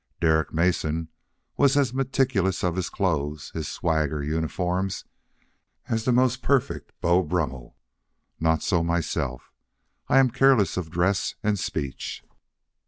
Derek Mason was as meticulous of his clothes, his swagger uniforms, as the most perfect Beau Brummel. Not so myself. I am careless of dress and speech.